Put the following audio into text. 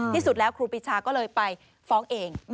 ที่สุดแล้วครูปีชาก็เลยไปฟ้องเอง